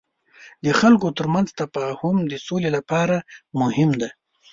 د خلکو ترمنځ تفاهم د سولې لپاره مهم دی.